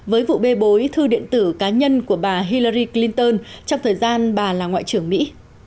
với vụ bê bối thư điện tử cá nhân của bà hilery clinton trong thời gian bà là ngoại trưởng mỹ